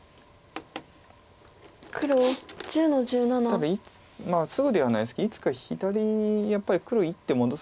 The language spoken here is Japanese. ただすぐではないですけどいつか左やっぱり黒１手戻す。